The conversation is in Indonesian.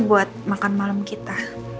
buat makan malam kita